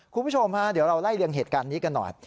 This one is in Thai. คุณผู้ชมฮะเดี๋ยวเราไล่เลียงเหตุการณ์นี้กันหน่อย